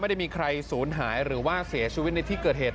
ไม่ได้มีใครศูนย์หายหรือว่าเสียชีวิตในที่เกิดเหตุ